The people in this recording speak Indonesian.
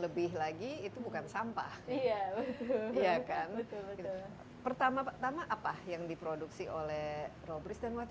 lebih lagi itu bukan sampah iya iya kan pertama pertama apa yang diproduksi oleh robris dan waktu